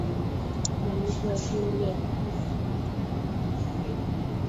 malipo ya hundi yalikuwa yakifanyika makao makuu ya benki kuu